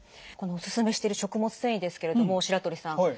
このおすすめしてる食物繊維ですけれども白鳥さん